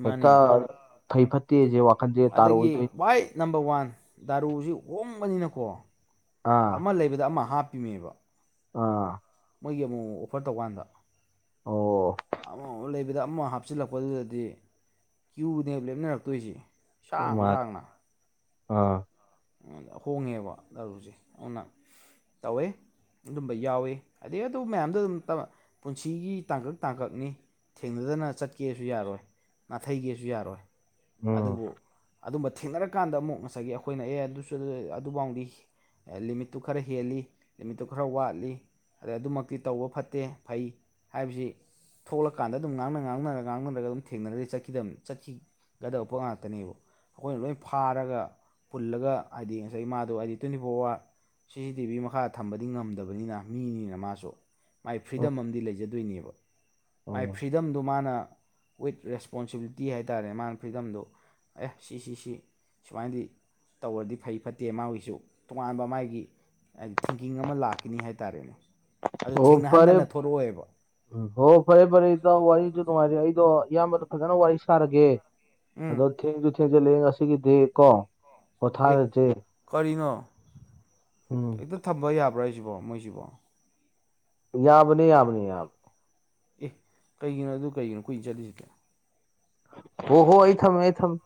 ꯃꯥꯅꯤ ꯍꯦꯛꯇ ꯐꯩ ꯐꯠꯇꯦꯁꯦ ꯋꯥꯈꯜꯁꯦ ꯑꯗꯒꯤ ꯇꯥꯔꯛꯑꯣꯏꯗꯣꯏ ꯈ꯭ꯋꯥꯏ ꯅꯝꯕꯔ ꯋꯥꯟ ꯗꯥꯔꯨꯁꯤ ꯍꯣꯡꯕꯅꯤꯅꯀꯣ ꯑꯥ ꯑꯃ ꯂꯩꯕꯗ ꯑꯃ ꯍꯥꯞꯄꯤꯃꯦꯕ ꯑꯥ ꯃꯣꯏꯒꯤ ꯑꯃꯨꯛ ꯑꯣꯐꯔ ꯇꯧꯀꯥꯟꯗ ꯑꯣ ꯑꯃꯃ ꯂꯩꯕꯗ ꯑꯃ ꯍꯥꯞ ꯍꯥꯞꯆꯤꯜꯂꯛꯄꯗꯨꯗꯗꯤ ꯀ꯭ꯌꯨꯅꯦꯕ ꯂꯦꯞꯅꯔꯛꯇꯣꯏꯁꯤ ꯁꯥꯡ ꯃꯥꯟ ꯁꯥꯡꯅ ꯑꯥ ꯍꯣꯡꯉꯦꯕ ꯑꯔꯨꯁꯦ ꯑꯗꯨꯅ ꯇꯧꯋꯦ ꯑꯗꯨꯝꯕ ꯌꯥꯎꯏꯤ ꯑꯗꯩ ꯑꯗꯨ ꯃꯌꯥꯝꯗꯣ ꯑꯗꯨꯝ ꯄꯨꯟꯁꯤꯒꯤ ꯇꯥꯡꯀꯛ ꯇꯥꯡꯀꯛꯅꯤ ꯊꯦꯡꯅꯗꯅ ꯆꯠꯀꯦꯁꯨ ꯌꯥꯔꯣꯏ ꯅꯥꯊꯩꯒꯦꯁꯨ ꯌꯥꯔꯣꯏ ꯎꯝ ꯑꯗꯨꯕꯨ ꯑꯗꯨꯝꯕ ꯊꯦꯡꯅꯔꯀꯥꯟꯗ ꯑꯃꯨꯛ ꯉꯁꯥꯏꯒꯤ ꯑꯩꯈꯣꯏꯅ ꯑꯦ ꯑꯗꯨꯁꯨ ꯑꯗꯨꯕꯥꯎꯗꯤ ꯂꯤꯃꯤꯠꯇꯨ ꯈꯔ ꯍꯦꯜꯂꯤ ꯂꯤꯃꯤꯠꯇꯨ ꯈꯔ ꯋꯥꯠꯂꯤ ꯑꯗꯩ ꯑꯗꯨꯃꯛꯇꯤ ꯇꯧꯕ ꯐꯠꯇꯦ ꯐꯩ ꯍꯥꯏꯕꯁꯤ ꯊꯣꯛꯂꯀꯥꯟꯗ ꯑꯗꯨꯝ ꯉꯥꯡꯅ ꯉꯥꯡꯅꯔ ꯉꯥꯡꯅꯔꯒ ꯑꯗꯨꯝ ꯊꯦꯡꯅꯔꯗꯤ ꯆꯠꯈꯤꯗꯕꯅꯤ ꯆꯠꯈꯤ ꯒꯗꯕ ꯄꯣꯠ ꯉꯥꯛꯇꯅꯦꯕ ꯑꯩꯈꯣꯏꯅ ꯂꯣꯏ ꯐꯥꯔꯒ ꯄꯨꯜꯂꯒ ꯍꯥꯏꯗꯤ ꯉꯁꯥꯏ ꯃꯥꯗꯣ ꯍꯥꯏꯗꯤ ꯇ꯭ꯋꯦꯟꯇꯤ ꯐꯣꯔ ꯑꯋꯥꯔ ꯁꯤ ꯁꯤ ꯇꯤ ꯚꯤ ꯃꯈꯥꯗ ꯊꯝꯕꯗꯤ ꯉꯝꯗꯕꯅꯤꯅ ꯃꯤꯅꯤꯅ ꯃꯥꯁꯨ ꯃꯥꯏ ꯎꯝ ꯐ꯭ꯔꯤꯗꯝ ꯑꯃꯗꯤ ꯂꯩꯖꯗꯣꯏꯅꯦꯕ ꯃꯥꯏ ꯎꯝ ꯐ꯭ꯔꯤꯗꯝꯗꯣ ꯃꯥꯅ ꯋꯤꯠ ꯔꯦꯁꯄꯣꯟꯁꯤꯕꯤꯂꯤꯇꯤ ꯍꯥꯏꯇꯥꯔꯦ ꯃꯥꯅ ꯐ꯭ꯔꯤꯗꯝꯗꯣ ꯑꯦ ꯁꯤꯁꯤ ꯁꯤ ꯁꯨꯃꯥꯏꯅꯗꯤ ꯇꯧꯔꯗꯤ ꯐꯩ ꯐꯠꯇꯦ ꯃꯥꯒꯤꯁꯨ ꯇꯣꯉꯥꯟꯕ ꯃꯥꯒꯤ ꯍꯥꯏꯗꯤ ꯊꯤꯡꯀꯤꯡ ꯑꯃ ꯂꯥꯛꯀꯅꯤ ꯍꯥꯏꯇꯥꯔꯦꯅꯦ ꯑꯗꯨ ꯑꯣ ꯐꯔꯦ ꯊꯦꯡꯅꯍꯟꯗꯅ ꯊꯣꯔꯛꯑꯣꯏꯕ ꯎꯝ ꯍꯣ ꯐꯔꯦ ꯐꯔꯦ ꯏꯇꯥꯎ ꯋꯥꯔꯤꯁꯨ ꯅꯨꯡꯉꯥꯏꯔꯦ ꯑꯩꯗꯣ ꯏꯌꯥꯝꯕꯗꯣ ꯐꯖꯅ ꯋꯥꯔꯤ ꯁꯥꯔꯒꯦ ꯎꯝ ꯑꯗꯣ ꯊꯦꯡꯁꯨ ꯊꯦꯡꯖꯜꯂꯛꯑꯦ ꯉꯁꯤꯒꯤꯗꯤ ꯀꯣ ꯑꯦ ꯄꯣꯊꯥꯔꯁꯦ ꯀꯔꯤꯅꯣ ꯎꯝ ꯍꯦꯛꯇ ꯊꯝꯕ ꯌꯥꯕ꯭ꯔꯥ ꯍꯥꯏꯁꯤꯕꯣ ꯃꯣꯏꯁꯤꯕꯣ ꯌꯥꯕꯅꯤ ꯌꯥꯕꯅꯤ ꯌꯥꯕꯅꯤ ꯑꯦ ꯀꯩꯒꯤꯅꯣ ꯑꯗꯨ ꯀꯩꯒꯤꯅꯣ ꯀꯨꯏ ꯆꯠꯂꯤꯁꯤꯗꯤ ꯑꯣ ꯍꯣ ꯑꯩ ꯊꯝꯃꯦ ꯑꯩ ꯊꯝꯃꯦ